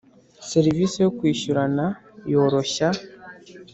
Serivisi yo kwishyurana yoroshya